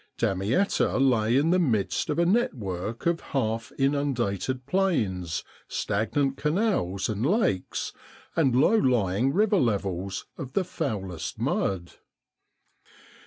Damietta lay in the midst of a network of half inundated plains, stagnant canals and lakes, and low lying river levels of the foulest mud.